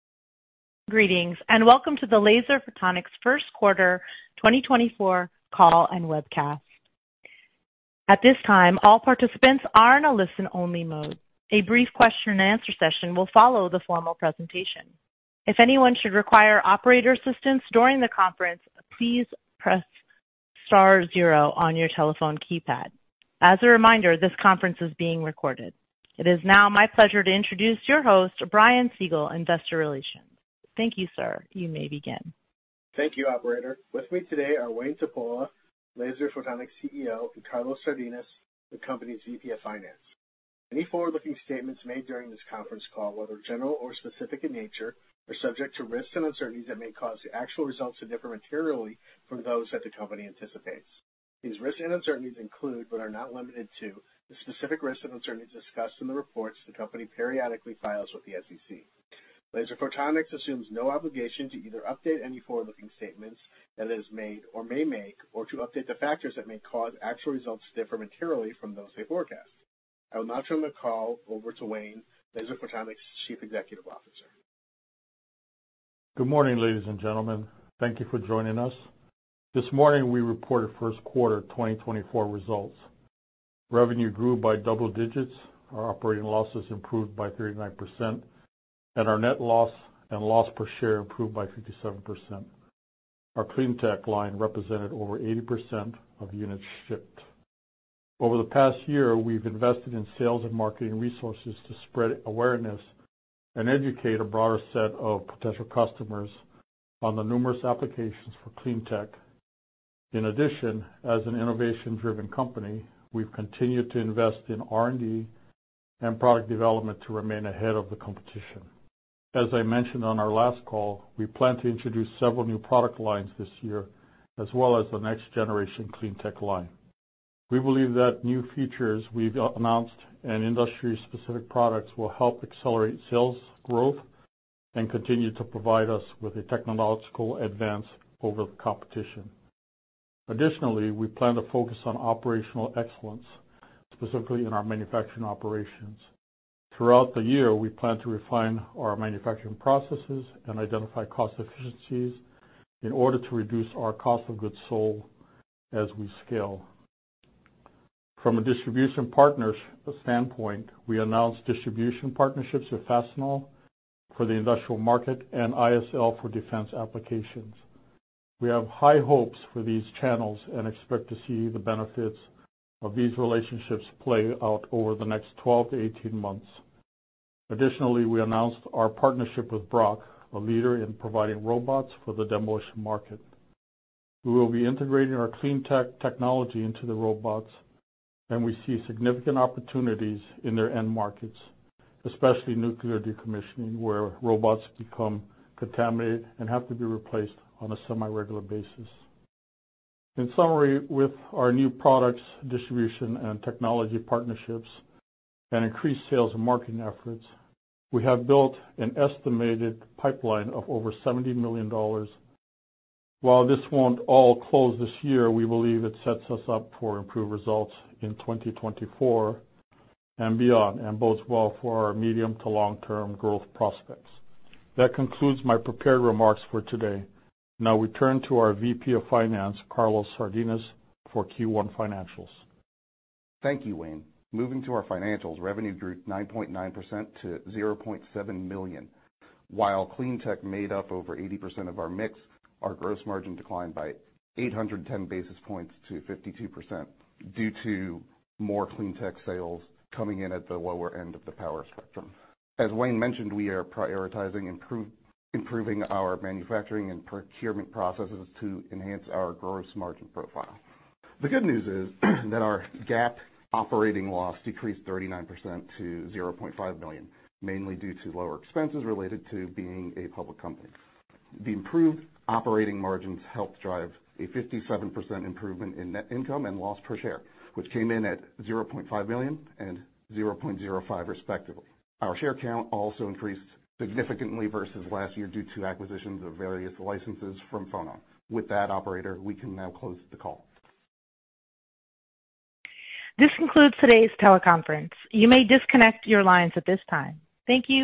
Greetings and welcome to the Laser Photonics first quarter 2024 call and webcast. At this time, all participants are in a listen-only mode. A brief question-and-answer session will follow the formal presentation. If anyone should require operator assistance during the conference, please press star zero on your telephone keypad. As a reminder, this conference is being recorded. It is now my pleasure to introduce your host, Brian Siegel, Investor Relations. Thank you, sir. You may begin. Thank you, operator. With me today are Wayne Tupuola, Laser Photonics CEO, and Carlos Sardinas, the company's VP of Finance. Any forward-looking statements made during this conference call, whether general or specific in nature, are subject to risks and uncertainties that may cause the actual results to differ materially from those that the company anticipates. These risks and uncertainties include, but are not limited to, the specific risks and uncertainties discussed in the reports the company periodically files with the SEC. Laser Photonics assumes no obligation to either update any forward-looking statements that it has made or may make, or to update the factors that may cause actual results to differ materially from those they forecast. I will now turn the call over to Wayne, Laser Photonics Chief Executive Officer. Good morning, ladies and gentlemen. Thank you for joining us. This morning we reported first quarter 2024 results. Revenue grew by double digits, our operating losses improved by 39%, and our net loss and loss per share improved by 57%. Our CleanTech line represented over 80% of units shipped. Over the past year, we've invested in sales and marketing resources to spread awareness and educate a broader set of potential customers on the numerous applications for CleanTech. In addition, as an innovation-driven company, we've continued to invest in R&D and product development to remain ahead of the competition. As I mentioned on our last call, we plan to introduce several new product lines this year, as well as the next-generation CleanTech line. We believe that new features we've announced and industry-specific products will help accelerate sales growth and continue to provide us with a technological advance over the competition. Additionally, we plan to focus on operational excellence, specifically in our manufacturing operations. Throughout the year, we plan to refine our manufacturing processes and identify cost efficiencies in order to reduce our cost of goods sold as we scale. From a distribution partner's standpoint, we announced distribution partnerships with Fastenal for the industrial market and ISL for defense applications. We have high hopes for these channels and expect to see the benefits of these relationships play out over the next 12-18 months. Additionally, we announced our partnership with Brokk, a leader in providing robots for the demolition market. We will be integrating our CleanTech technology into the robots, and we see significant opportunities in their end markets, especially nuclear decommissioning, where robots become contaminated and have to be replaced on a semi-regular basis. In summary, with our new products, distribution, and technology partnerships, and increased sales and marketing efforts, we have built an estimated pipeline of over $70 million. While this won't all close this year, we believe it sets us up for improved results in 2024 and beyond, and bodes well for our medium to long-term growth prospects. That concludes my prepared remarks for today. Now we turn to our VP of Finance, Carlos Sardinas, for Q1 financials. Thank you, Wayne. Moving to our financials, revenue grew 9.9% to $0.7 million. While CleanTech made up over 80% of our mix, our gross margin declined by 810 basis points to 52% due to more CleanTech sales coming in at the lower end of the power spectrum. As Wayne mentioned, we are prioritizing improving our manufacturing and procurement processes to enhance our gross margin profile. The good news is that our GAAP operating loss decreased 39% to $0.5 million, mainly due to lower expenses related to being a public company. The improved operating margins helped drive a 57% improvement in net income and loss per share, which came in at $0.5 million and $0.05, respectively. Our share count also increased significantly versus last year due to acquisitions of various licenses from Fonon. With that, operator, we can now close the call. This concludes today's teleconference. You may disconnect your lines at this time. Thank you.